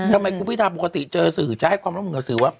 ทำไมคุณพิธาปกติเจอสื่อใช้ความรับความรับสื่อว่า